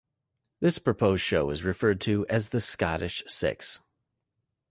This proposed show is referred to as the Scottish Six.